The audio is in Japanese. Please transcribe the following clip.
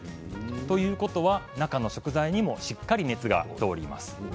ということは中の食材にもしっかり熱が通ります。